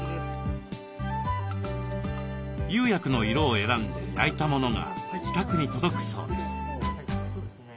釉薬の色を選んで焼いたものが自宅に届くそうです。